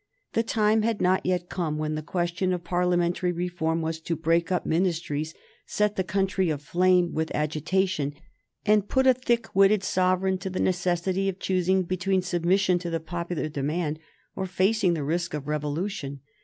The time had not yet come when the question of parliamentary reform was to break up ministries, set the country aflame with agitation, and put a thick witted Sovereign to the necessity of choosing between submission to the popular demand or facing the risk of revolution.